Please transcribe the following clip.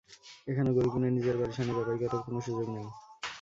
এখানে গরু কিনে নিজের বাড়ির সামনে জবাই করার কোনো সুযোগ নেই।